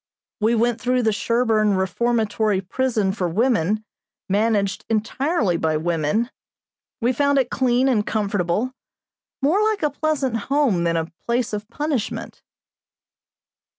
We went through the Sherborn Reformatory Prison for Women, managed entirely by women. We found it clean and comfortable, more like a pleasant home than a place of punishment.